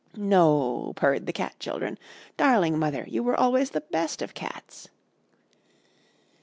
"'No,' purred the cat children, 'darling mother, you were always the best of cats.'